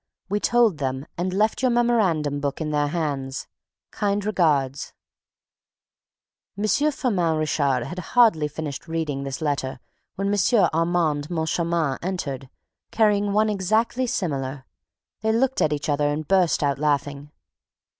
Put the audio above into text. We told them and left your memorandum book in their hands. Kind regards. M. Firmin Richard had hardly finished reading this letter when M. Armand Moncharmin entered, carrying one exactly similar. They looked at each other and burst out laughing.